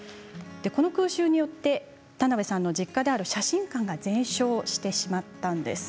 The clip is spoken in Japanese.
この空襲によって田辺さんの実家である写真館が全焼してしまったんです。